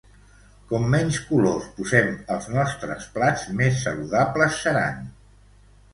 Com menys colors posem als nostres plats més saludables seran!